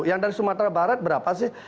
yang dari sumatera barat berapa sih